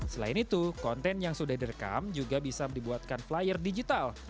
selain itu konten yang sudah direkam juga bisa dibuatkan flyer digital